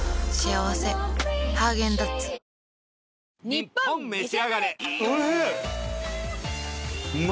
『ニッポンめしあがれ』。